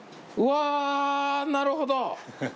うわなるほど。